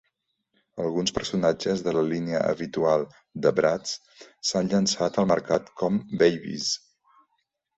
Alguns personatges de la línia habitual de Bratz s"han llançat al mercat com Babyz.